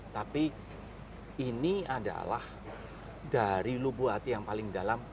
tapi ini adalah dari lubu hati yang paling dalam